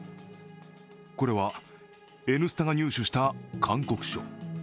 これは「Ｎスタ」が入手した勧告書。